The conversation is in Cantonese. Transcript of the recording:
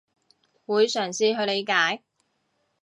會嘗試去理解